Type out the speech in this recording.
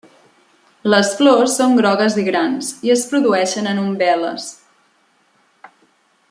Les flors són grogues i grans, i es produeixen en umbel·les.